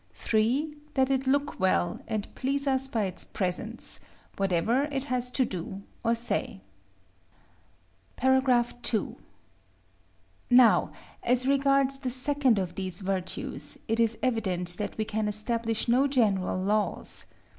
3. That it look well, and please us by its presence, whatever it has to do or say. § II. Now, as regards the second of these virtues, it is evident that we can establish no general laws.